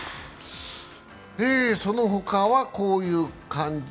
その他はこういう感じ。